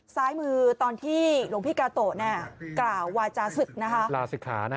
ซ้ายมือตอนที่หลวงพี่กาโตะเนี่ยกล่าววาจาศึกนะคะลาศิกขานะ